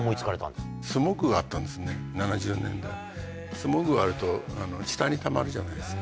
スモッグがあると下にたまるじゃないですか。